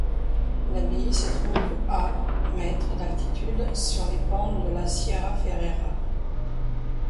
L'abbaye se trouve à mètres d'altitude, sur les pentes de la Sierra Ferrera.